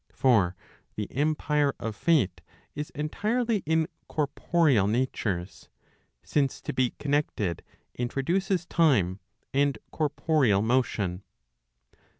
For the empire of Fate is entirely in corporeal natures ;* since to be connected introduces time, and corporeal motion.